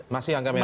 masih angka merah